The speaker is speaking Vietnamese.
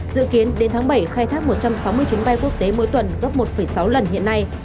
dự kiến đến tháng bảy khai thác một trăm sáu mươi chuyến bay quốc tế mỗi tuần gấp một sáu lần hiện nay